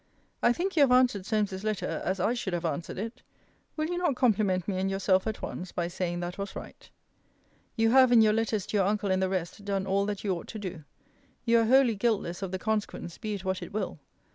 I think you have answered Solmes's letter, as I should have answered it. Will you not compliment me and yourself at once, by saying, that was right? You have, in your letters to your uncle and the rest, done all that you ought to do. You are wholly guiltless of the consequence, be it what it will.